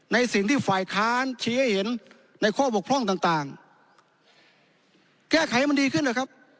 ในสิ่งที่ฝ่ายค้านชี้ให้เห็นในข้อบกพร่องต่างต่างแก้ไขมันดีขึ้นนะครับ